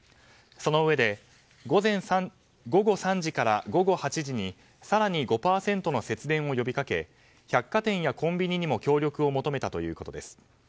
そのうえで午後３時から午後８時に更に５％の節電を呼びかけ百貨店やコンビニにも協力を求めたということです。